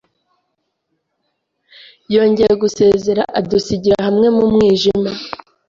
yongeye gusezera, adusigira hamwe mu mwijima.